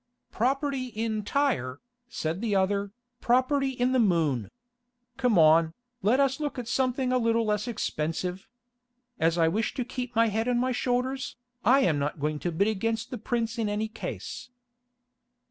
"Property in Tyre," said the other, "property in the moon. Come on, let us look at something a little less expensive. As I wish to keep my head on my shoulders, I am not going to bid against the prince in any case."